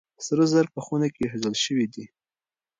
سره زر په خونه کې ايښودل شوي دي.